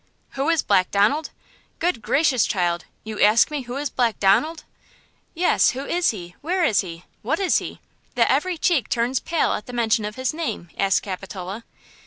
"Who is Black Donald? Good gracious, child, you ask me who is Black Donald!" "Yes; who is he? where is he? what is he? that every cheek turns pale at the mention of his name?" asked Capitola.